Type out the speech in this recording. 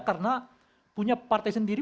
karena punya partai sendiri